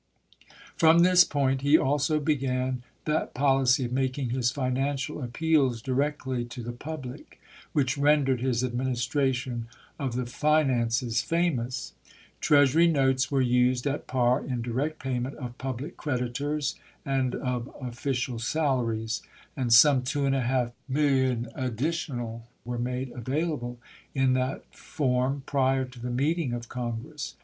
From this point he also began that policy of making his financial appeals directly to the public which rendered his administration of the finances famous. Treas 378 ABRAHAM LINCOLN Chap. XXI. uiy iiotes Were used at par in direct payment of public creditors and of official salaries ; and some two and a half millions additional were made avail able in that form prior to the meeting of Congress.